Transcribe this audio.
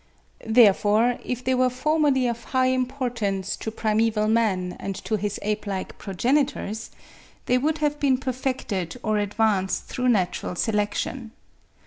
Therefore, if they were formerly of high importance to primeval man and to his ape like progenitors, they would have been perfected or advanced through natural selection.